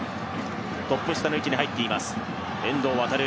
トップ下の位置に入っています。